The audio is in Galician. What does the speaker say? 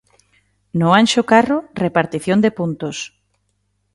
No Anxo Carro, repartición de puntos.